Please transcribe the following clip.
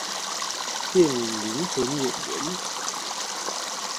電影靈魂演員